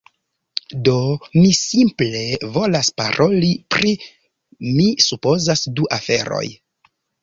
Do, mi simple volas paroli pri... mi supozas du aferoj